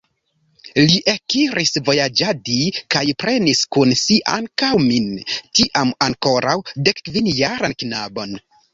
Li ekiris vojaĝadi kaj prenis kun si ankaŭ min, tiam ankoraŭ dekkvinjaran knabon.